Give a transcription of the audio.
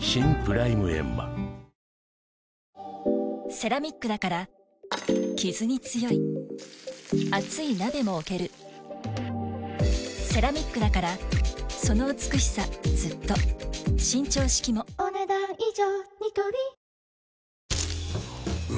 セラミックだからキズに強い熱い鍋も置けるセラミックだからその美しさずっと伸長式もお、ねだん以上。